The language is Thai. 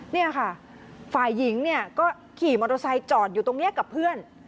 นี่ค่ะฝ่ายหญิงเนี่ยก็ขี่มอเตอร์ไซค์จอดอยู่ตรงนี้กับเพื่อน